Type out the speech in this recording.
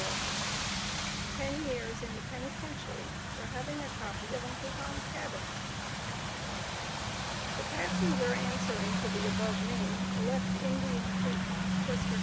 TEN YEARS IN THE PENITENTIARY FOR HAVING A COPY OF UNCLE TOM'S CABIN. The passenger answering to the above name, left Indian Creek, Chester Co.